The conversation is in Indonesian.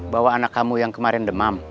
bawa anak kamu yang kemarin demam